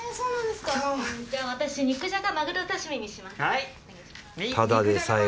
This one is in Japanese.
うんじゃあ私肉じゃがまぐろ刺身にします。